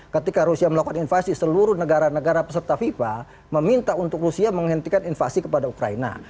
ketika rusia melakukan invasi seluruh negara negara peserta fifa meminta untuk rusia menghentikan invasi kepada ukraina